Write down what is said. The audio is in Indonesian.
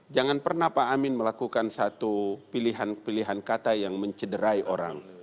jangan pernah pak amin melakukan satu pilihan pilihan kata yang mencederai orang